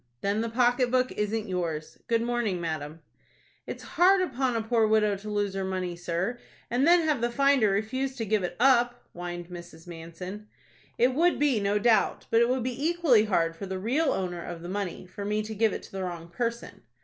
"Then the pocket book isn't yours. Good morning, madam." "It's hard upon a poor widow to lose her money, sir, and then have the finder refuse to give it up," whined Mrs. Manson. "It would be, no doubt; but it would be equally hard for the real owner of the money for me to give it to the wrong person."